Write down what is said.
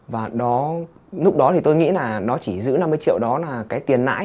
và lúc đó thì tôi nghĩ là nó chỉ giữ năm mươi triệu đó là cái tiền nãi